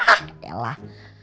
hah ya lah